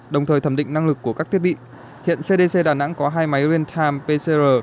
đồng thời thẩm định năng lực của các thiết bị hiện cdc đà nẵng có hai máy real time pcr